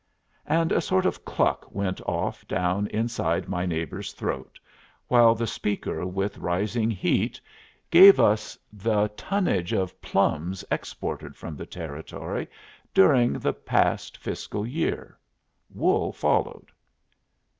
And a sort of cluck went off down inside my neighbor's throat, while the speaker with rising heat gave us the tonnage of plums exported from the Territory during the past fiscal year. Wool followed.